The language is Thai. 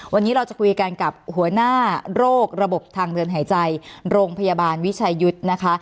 วันนี้เราจะคุยกันกับหัวหน้าโรคระบบทางเดินหายใจโรงพยาบาลวิชัยยุทธ์นะคะ